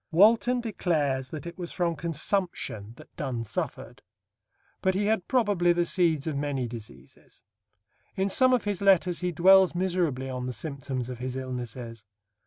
Walton declares that it was from consumption that Donne suffered; but he had probably the seeds of many diseases. In some of his letters he dwells miserably on the symptoms of his illnesses.